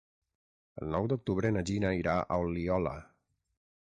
El nou d'octubre na Gina irà a Oliola.